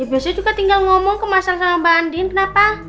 ya biasanya juga tinggal ngomong ke mas sarah sama mbak andin kenapa